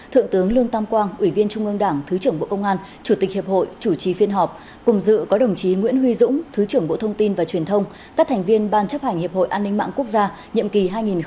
thượng tướng lương tam quang ủy viên trung ương đảng thứ trưởng bộ công an chủ tịch hiệp hội chủ trì phiên họp cùng dự có đồng chí nguyễn huy dũng thứ trưởng bộ thông tin và truyền thông các thành viên ban chấp hành hiệp hội an ninh mạng quốc gia nhiệm kỳ hai nghìn một mươi chín hai nghìn hai mươi năm